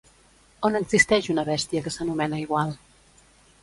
On existeix una bèstia que s'anomena igual?